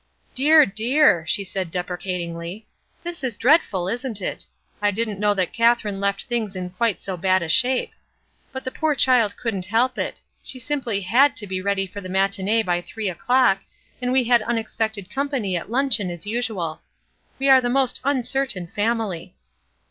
"Dear, dear!" she said deprecatingly, "this is dreadful, isn't it? I didn't know that Kath erine left things in quite so bad a shape. But the poor child couldn't help it; she simply had to be ready for the matinee by three o'clock, and we had unexpected company at luncheon as usual. We are the most uncertain family